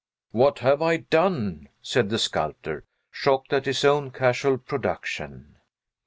"What have I done?" said the sculptor, shocked at his own casual production.